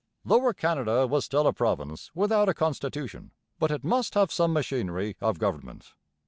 Lower Canada was still a province without a constitution; but it must have some machinery of government.